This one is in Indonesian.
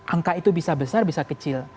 angka itu bisa besar bisa kecil